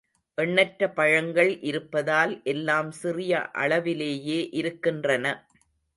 எண்ணற்ற பழங்கள் இருப்பதால் எல்லாம் சிறிய அளவிலேயே இருக்கின்றன.